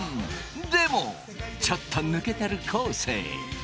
でもちょっと抜けてる昴生。